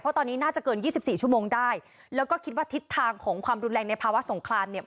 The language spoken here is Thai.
ตอนนี้น่าจะเกินยี่สิบสี่ชั่วโมงได้แล้วก็คิดว่าทิศทางของความรุนแรงในภาวะสงครามเนี่ย